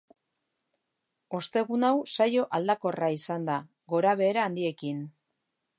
Ostegun hau saio aldakorra izan da, gora-behera handiekin.